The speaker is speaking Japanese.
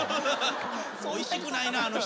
おいしくないなあの人。